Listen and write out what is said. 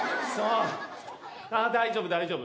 ああ大丈夫大丈夫。